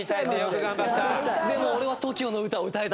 でも俺はＴＯＫＩＯの歌を歌えた。